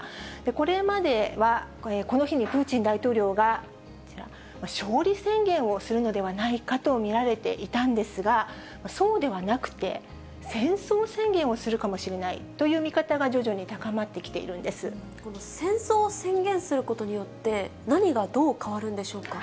これまでは、この日にプーチン大統領が、こちら、勝利宣言をするのではないかと見られていたんですが、そうではなくて、戦争宣言をするかもしれないという見方が徐々に高まってきているこの戦争を宣言することによって、何がどう変わるんでしょうか。